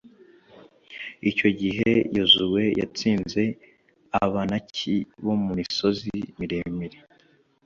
icyo gihe, yozuwe yatsinze abanaki bo mu misozi miremire